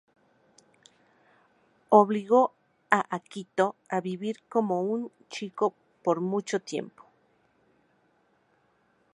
Obligó a Akito a vivir como un chico por mucho tiempo.